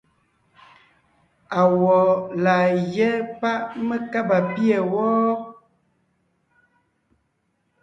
Awɔ̌ laa gyɛ́ páʼ mé kába pîɛ wɔ́?